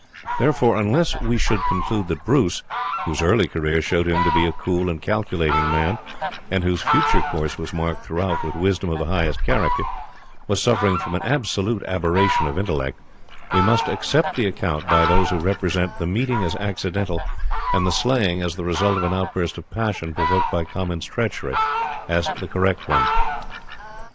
Therefore, unless we should conclude that Bruce whose early career showed him to be a cool and calculating man, and whose future course was marked throughout with wisdom of the highest character was suffering from an absolute aberration of intellect, we must accept the account by those who represent the meeting as accidental, and the slaying as the result of an outburst of passion provoked by Comyn's treachery, as the correct one.